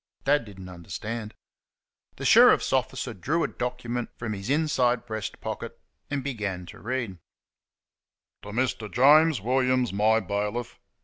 Dad didn't understand. The Sheriff's officer drew a document from his inside breast pocket and proceeded to read: "To Mister James Williams, my bailiff.